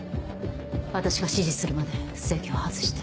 私が指示するまで席を外して。